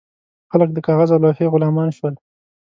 خلک د کاغذ او لوحې غلامان شول.